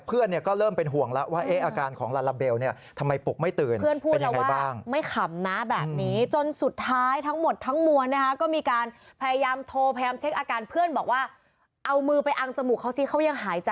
เพื่อนก็เริ่มเป็นห่วงแล้วว่าอาการของลาลาเบลเนี่ย